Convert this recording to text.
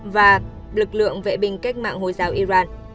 và lực lượng vệ binh cách mạng hồi giáo iran